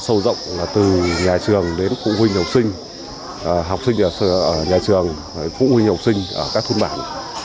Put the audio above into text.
sâu rộng là từ nhà trường đến phụ huynh học sinh học sinh ở nhà trường phụ huynh học sinh ở các thôn bản